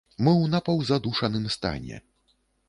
Мы ў напаўзадушаным стане.